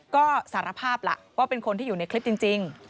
ก็สารภาพล่ะว่าเป็นคนที่อยู่ในคลิปจริง